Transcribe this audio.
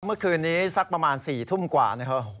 เมื่อคืนนี้สักประมาณ๔ทุ่มกว่านะครับ